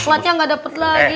pokoknya gak dapet lagi dong